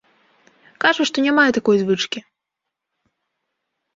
Кажа, што не мае такой звычкі.